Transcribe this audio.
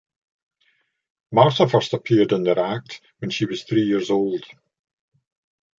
Martha first appeared in their act when she was three years old.